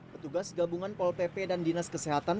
petugas gabungan pol pp dan dinas kesehatan